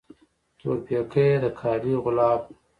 تور پیکی یې د کعبې د غلاف